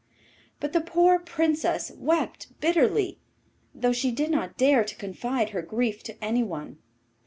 But the poor Princess wept bitterly, though she did not dare to confide her grief to anyone.